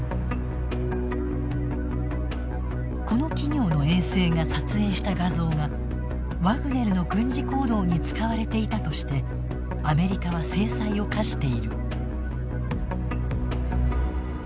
この企業の衛星が撮影した画像がワグネルの軍事行動に使われていたとしてアメリカは制裁を科している。